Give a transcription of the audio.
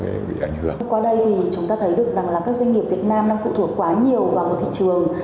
qua đây thì chúng ta thấy được rằng là các doanh nghiệp việt nam đang phụ thuộc quá nhiều vào một thị trường